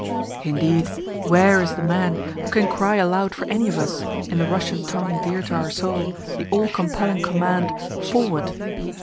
Indeed, WHERE is the man who can cry aloud for any of us, in the Russian tongue dear to our soul, the all compelling command "Forward!"?